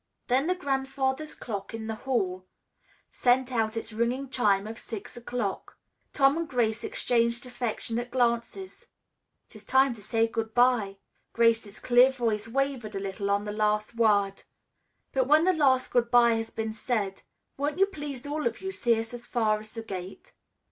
Then the grandfather's clock in the hall sent out its ringing chime of six o'clock. Tom and Grace exchanged affectionate glances. "It is time to say good bye." Grace's clear voice wavered a little on the last word. "But when the last good bye has been said, won't you please all of you see us as far as the gate?"